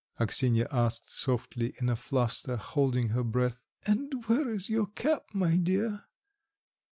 Axinya asked softly, in a fluster, holding her breath; "and where is your cap, my dear?